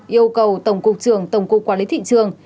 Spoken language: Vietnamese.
yêu cầu tổng cục trưởng tổng cục quản lý thị trường